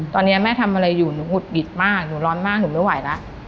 ตอนนี้แม่ทำอะไรอยู่หนูหงุดหงิดมากหนูร้อนมากหนูไม่ไหวแล้ว